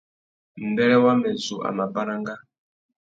Mbêrê wamê zu a mà baranga.